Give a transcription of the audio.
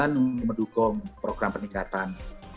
untuk mendukung program peningkatan